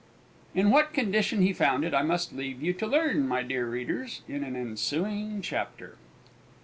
In what condition he found it I must leave you to learn, my dear readers, in an ensuing chapter.